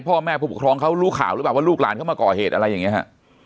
พ่อแม่ผู้ปกครองเขารู้ข่าวหรือเปล่าว่าลูกหลานเขามาก่อเหตุอะไรอย่างนี้ฮะ